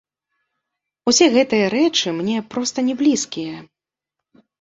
Усе гэтыя рэчы мне проста не блізкія.